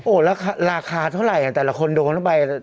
โอ้ยราคาเท่าไรแต่ละคนโดนอะไรกัน